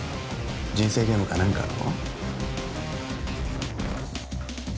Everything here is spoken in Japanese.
人生ゲームか何かの？